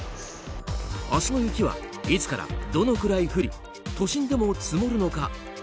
明日の雪はいつから、どのくらい降り都心でも積もるのか。